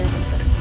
terima kasih pak